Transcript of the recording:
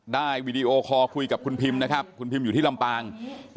วีดีโอคอลคุยกับคุณพิมนะครับคุณพิมอยู่ที่ลำปาง